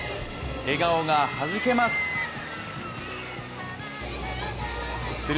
笑顔がはじけます。